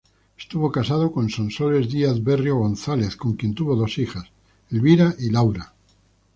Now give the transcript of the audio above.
Estuvo casado con Sonsoles Díaz-Berrio González, con quien tuvo dos hijas: Elvira y Laura.